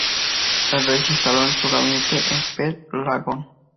El Rey se instaló con su gabinete en Pearl Lagoon.